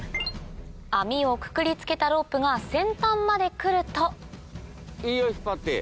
網をくくり付けたロープが先端まで来るといいよ。